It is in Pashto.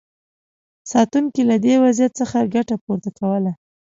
ساتونکو له دې وضعیت څخه ګټه پورته کوله.